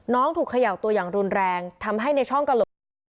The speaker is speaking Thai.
ถูกเขย่าตัวอย่างรุนแรงทำให้ในช่องกระโหลกศีรษะ